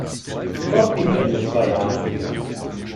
Dort blieb er für zwei Jahre.